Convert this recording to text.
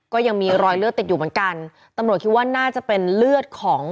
ก็ยังมีรอยเลือดติดอยู่เหมือนกันตำรวจคิดว่าน่าจะเป็นเลือดของ